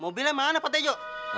mobilnya mana pak tejo